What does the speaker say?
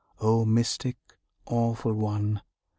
O Mystic, Awful One!